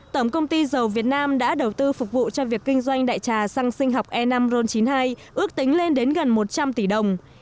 tổng công ty dầu việt nam đã đầu tư phục vụ cho việc kinh doanh đại trà xăng sinh học e năm ron chín mươi hai ước tính lên đến gần một trăm linh tỷ đồng